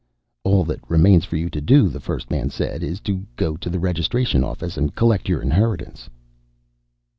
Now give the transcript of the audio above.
"All that remains for you to do," the first man said, "is to go to the Registration Office and collect your inheritance."